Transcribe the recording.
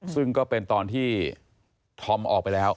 ซึ่งก็เป็นตอนที่ธอมออกไปแล้ว